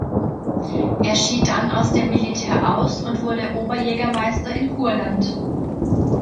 Er schied dann aus dem Militär aus und wurde Oberjägermeister in Kurland.